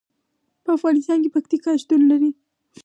په افغانستان کې پکتیکا شتون لري.